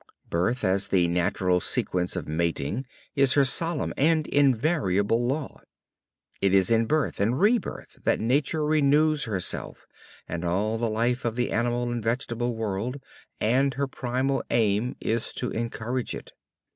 Birth as the natural sequence of mating is her solemn and invariable law. It is in birth and rebirth that nature renews herself and all the life of the animal and vegetable world, and her primal aim is to encourage it.